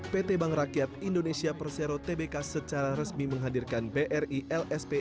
pt bank rakyat indonesia persero tbk secara resmi menghadirkan bri lsp